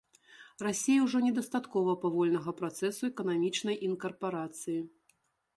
Расіі ўжо недастаткова павольнага працэсу эканамічнай інкарпарацыі.